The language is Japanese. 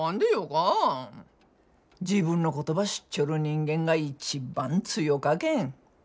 自分のことば知っちょる人間が一番強かけん。